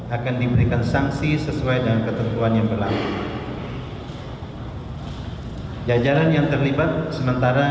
akan diberikan sanksi sesuai dengan ketentuan yang berlaku jajaran yang terlibat sementara